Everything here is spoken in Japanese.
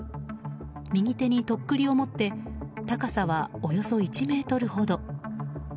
右手にとっくりを持って高さはおよそ１ｍほど。